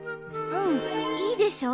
うんいいでしょ？